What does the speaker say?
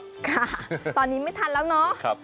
ค่ะตอนนี้ไม่ทันแล้วเนาะ